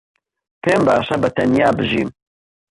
پێم باشە بەتەنیا بژیم.